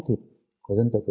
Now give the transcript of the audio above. những cái đất nước là bị